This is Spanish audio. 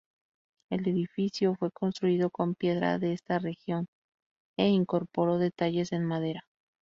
El edificio fue construido con piedra de esta región e incorporó detalles en madera.